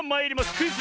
クイズ